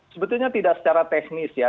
sebetulnya tidak secara teknis ya